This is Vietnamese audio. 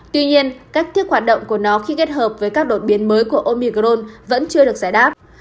tuy nhiên cách thức hoạt động của nó khi kết hợp với các đột biến mới của omicron vẫn chưa được giải đáp